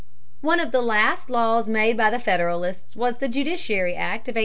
One of the last laws made by the Federalists was the Judiciary Act of 1801.